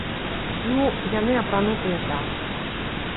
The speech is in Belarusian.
Ну, яны апранутыя так.